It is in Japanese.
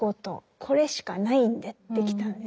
これしかないんで」ってきたんです。